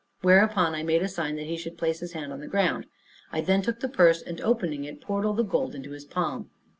Whereupon I made a sign that he should place his hand on the ground. I then took the purse, and opening it, poured all the gold into his palm.